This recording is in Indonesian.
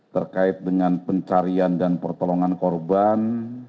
terkait dengan pencarian dan pertolongan korban